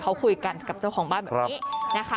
เขาคุยกันกับเจ้าของบ้านแบบนี้นะคะ